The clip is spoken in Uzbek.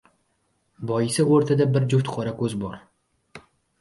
Boisi, o‘rtada bir juft qorako‘z bor.